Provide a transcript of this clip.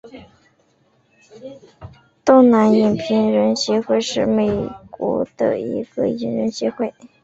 东南影评人协会是美国的一个影评人协会。